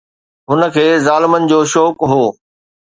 هن کي ظالمن جو شوق هو.